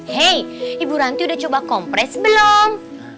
hei ibu ranti udah coba kompres belum